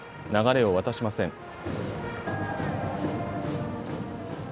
流れを渡しません。